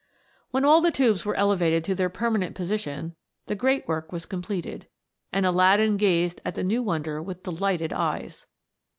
When all the tubes were elevated to their perma nent position the great work was completed, and Aladdin gazed at the new wonder with delighted eyes.